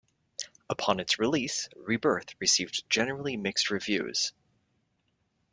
Upon its release "Rebirth" received generally mixed reviews.